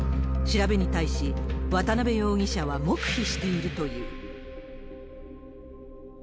調べに対し、渡辺容疑者は黙秘しているという。